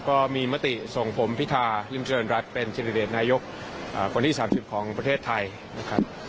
ก็มีมติส่งผมพิธาริมเจริญรัฐเป็นธิรเดชนายกคนที่๓๐ของประเทศไทยนะครับ